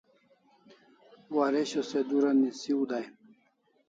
Waresho se dura nisiu dai